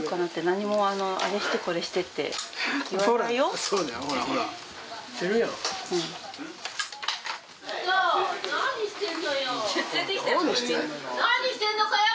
・何してんのよ。